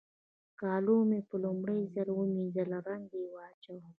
کالو مې په لومړي ځل مينځول رنګ واچاوو.